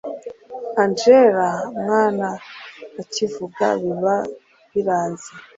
angella mwana akivuga biba biranze